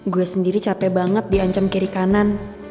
gue sendiri capek banget diancam kiri kanan